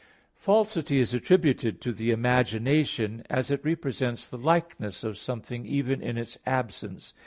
Falsity is attributed to the imagination, as it represents the likeness of something even in its absence.